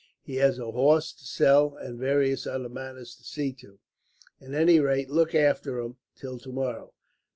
He has a horse to sell, and various other matters to see to. At any rate, look after him, till tomorrow.